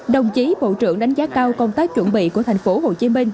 đồng chí bộ trưởng đánh giá cao công tác chuẩn bị của thành phố hồ chí minh